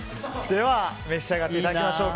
では召し上がっていただきましょう。